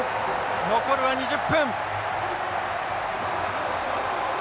残るは２０分。